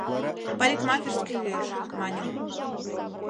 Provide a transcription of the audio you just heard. Парикмахерский лиеш! — маньым.